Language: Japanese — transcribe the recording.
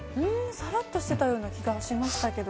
サラッとしていたような気がしましたけど。